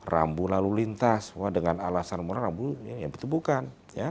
rambu lalu lintas dengan alasan moral rambu ya itu bukan